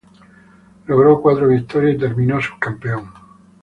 Logró cuatro victorias y terminó subcampeón.